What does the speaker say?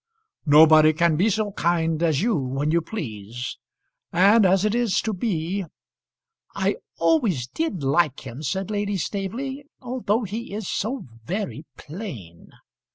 "Nobody can be so kind as you when you please. And as it is to be " "I always did like him," said Lady Staveley, "although he is so very plain."